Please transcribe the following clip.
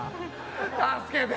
助けて。